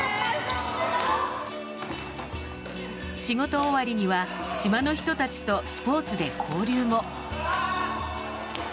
仕事終わりには島の人たちとスポーツで交流も。